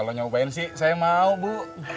kalau nyobain sih saya mau bu